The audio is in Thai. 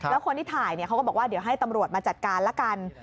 แล้วคนที่ถ่ายเขาก็บอกว่าเดี๋ยวให้ตำรวจมาจัดการละกัน